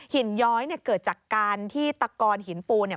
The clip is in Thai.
ย้อยเนี่ยเกิดจากการที่ตะกอนหินปูเนี่ย